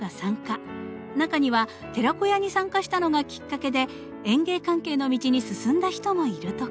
中には寺子屋に参加したのがきっかけで園芸関係の道に進んだ人もいるとか。